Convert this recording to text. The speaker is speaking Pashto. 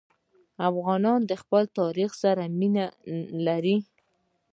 افغانان د خپل تاریخ سره مینه لري.